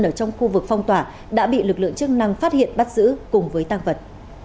ở trong khu vực phong tỏa đã bị lực lượng chức năng phát hiện bắt giữ cùng với tăng vật